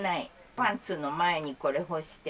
パンツの前にこれ干して。